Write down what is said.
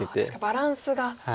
バランスが。